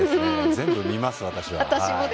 全部、見ます、私は。